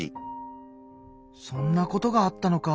そんなことがあったのか。